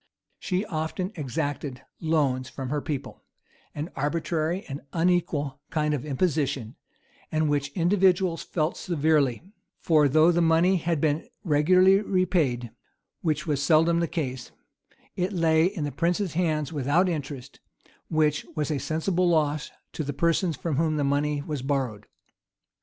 She often exacted loans from her people; an arbitrary and unequal kind of imposition, and which individuals felt severely; for though the money had been regularly repaid, which was seldom the case,[*] it lay in the prince's hands without interest, which was a sensible loss to the persons from whom the money was borrowed.